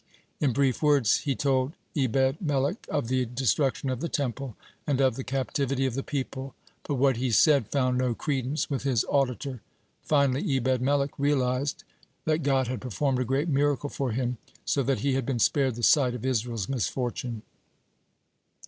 In brief words he told Ebed melech of the destruction of the Temple and of the captivity of the people, but what he said found no credence with his auditor. Finally Ebed melech realized that God had performed a great miracle for him, so that he had been spared the sight of Israel's misfortune.